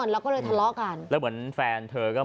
แล้วก็เลยทะเลาะกัน